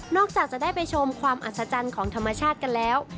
จากจะได้ไปชมความอัศจรรย์ของธรรมชาติกันแล้ว